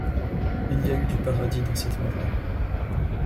Il y a eu du paradis dans cette mort-là.